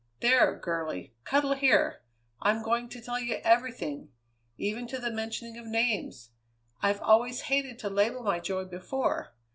There, girlie! cuddle here! I'm going to tell you everything; even to the mentioning of names! I've always hated to label my joy before.